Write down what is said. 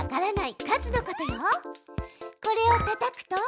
これをたたくと。